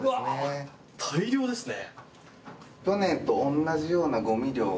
大量ですね。